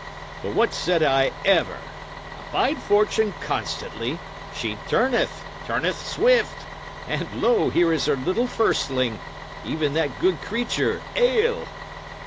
But what said I ever? Abide Fortune constantly; she turneth, turneth swift. And lo! here is her little firstling even that good creature, ale!"